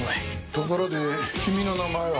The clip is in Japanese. ところで君の名前は？